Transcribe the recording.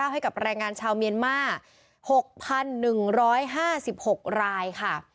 ให้กับแรงงานชาวเมียนมาร์๖๑๕๖รายค่ะ